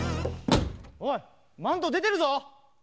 おいマントでてるぞ！